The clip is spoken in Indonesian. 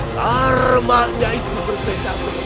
karmanya itu berbeda